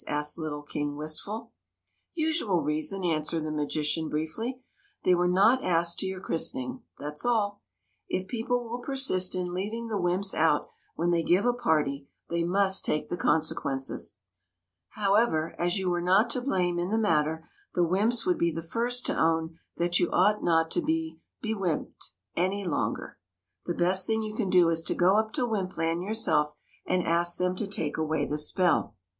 " asked little King Wistful. " Usual reason/' answered the magician, briefly. " They were not asked to your christ ening, that's all. If people will persist in leaving the wymps out when they give a party, they must take the consequences. However, as you were not to blame in the matter, the wymps would be the first to own that you ought not to be bewymped any longer. The best thing you can do is to go up to Wympland yourself and ask them to take away the spell."